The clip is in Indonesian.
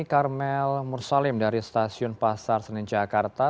karmel mursalim dari stasiun pasar senen jakarta